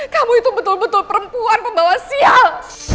kamu itu betul betul perempuan pembawa sial